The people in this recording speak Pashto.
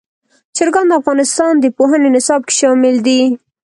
چرګان د افغانستان د پوهنې نصاب کې شامل دي.